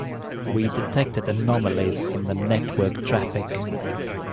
We detected anomalies in the network traffic.